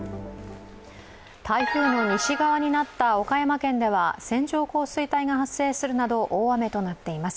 台風の西側になった岡山県では線状降水帯が発生するなど大雨となっています。